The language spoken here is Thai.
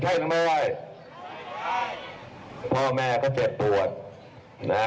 ใช่หรือไม่ไหว้ไหว้ใจพ่อแม่ก็เจ็บปวดนะฮะ